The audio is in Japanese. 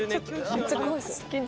めっちゃ怖い。